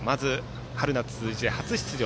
春夏通じて初出場